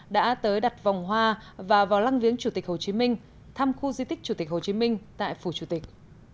đã tới đặt vòng hoa và vào lăng viếng chủ tịch hồ chí minh thăm khu di tích chủ tịch hồ chí minh tại phủ chủ tịch